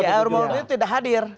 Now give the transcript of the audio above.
km a'ruf itu tidak hadir